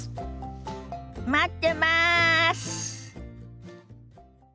待ってます！